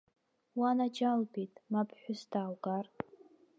Уанаџьалбеит, ма ԥҳәыс дааугар.